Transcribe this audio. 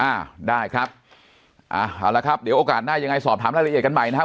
อ่าได้ครับอ่าเอาละครับเดี๋ยวโอกาสหน้ายังไงสอบถามรายละเอียดกันใหม่นะครับ